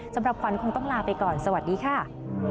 สำหรับขวัญคงต้องลาไปก่อนสวัสดีค่ะ